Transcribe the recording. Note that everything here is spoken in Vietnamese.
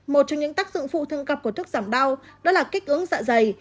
một trong những tác dụng phụ thương cập của thuốc giảm đau đó là kích ứng dạ dày